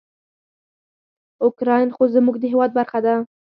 اوکراین خو زموږ د هیواد برخه ده.